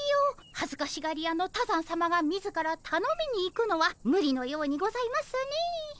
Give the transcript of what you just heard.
はずかしがり屋の多山さまが自らたのみに行くのはむりのようにございますね。